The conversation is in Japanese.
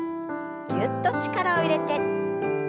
ぎゅっと力を入れて。